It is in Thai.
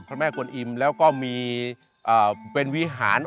พระแม่กลวนอิมแล้วก็มีเอ่อเป็นวิหาร